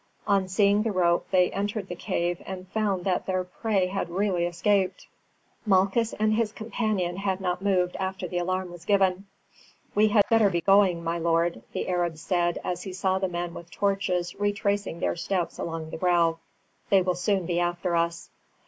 On seeing the rope, they entered the cave, and found that their prey had really escaped. Malchus and his companion had not moved after the alarm was given. "We had better be going, my lord," the Arab said as he saw the men with torches retracing their steps along the brow. "They will soon be after us."